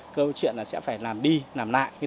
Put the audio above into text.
câu chuyện là sẽ phải làm đi làm lại